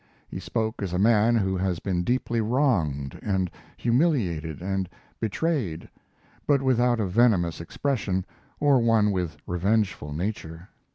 He spoke as a man who has been deeply wronged and humiliated and betrayed, but without a venomous expression or one with revengeful nature.